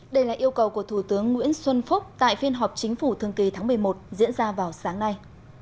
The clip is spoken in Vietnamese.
đây là yêu cầu của thủ tướng nguyễn xuân phúc tại phiên họp chính phủ thường kỳ tháng một mươi một diễn ra vào sáng nay